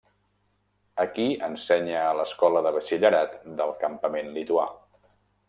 Aquí ensenya a l'escola de batxillerat del campament lituà.